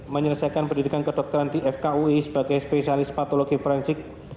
menyelesaikan pendidikan kedokteran di fkui sebagai spesialis patologi forensik